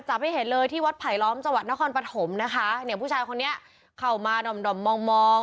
ให้เห็นเลยที่วัดไผลล้อมจังหวัดนครปฐมนะคะเนี่ยผู้ชายคนนี้เข้ามาด่อมด่อมมองมอง